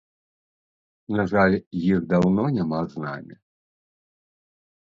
На жаль, іх даўно няма з намі.